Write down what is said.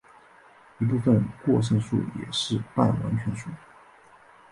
一部分过剩数也是半完全数。